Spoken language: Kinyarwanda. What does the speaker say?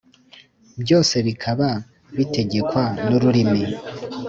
byose bikaba bitegekwa n’ururimi!